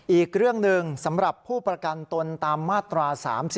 อีกเรื่องหนึ่งสำหรับผู้ประกันตนตามมาตรา๓๔